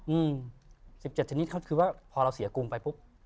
อืม๑๗ชนิดคือว่าพอเราเสียกรุงไปปุ๊บ